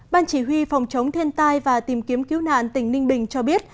ban chỉ huy phòng chống thiên tai và tìm kiếm cứu nạn tỉnh ninh bình cho biết